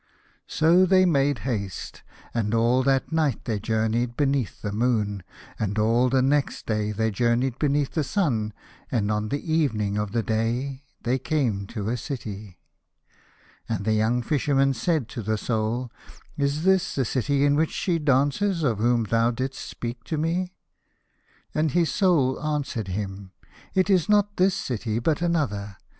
So they made haste, and all that night they journeyed beneath the moon, and all the next day they journeyed beneath the sun, and on the evening of the day they came to a city. And the young Fisherman said to his Soul, " Is this the city in which she dances of whom thou did'st speak to me ?" And his Soul answered him, " It is not this city, but another.